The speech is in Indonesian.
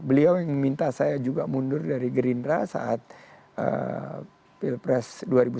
beliau yang minta saya juga mundur dari gerindra saat pilpres dua ribu sembilan belas